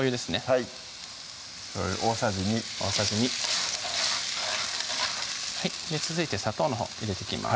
はいしょうゆ大さじ２大さじ２続いて砂糖のほう入れていきます